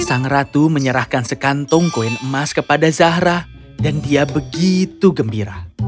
sang ratu menyerahkan sekantung koin emas kepada zahra dan dia begitu gembira